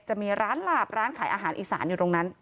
จะมีร้านหลาบร้านขายอาหารอีสานอยู่ตรงนั้น